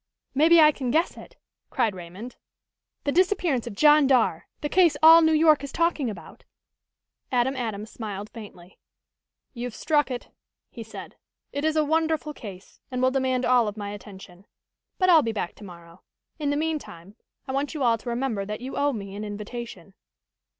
"Maybe I can guess it!" cried Raymond. "The disappearance of John Darr the case all New York is talking about?" Adam Adams smiled faintly. "You've struck it," he said. "It is a wonderful case, and will demand all of my attention. But I'll be back tomorrow. In the meantime, I want you all to remember that you owe me an invitation."